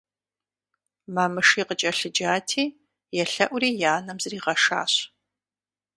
Мамыши къыкӀэлъыджати, елъэӀури и анэм зригъэшащ.